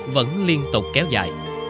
vẫn liên tục kéo dài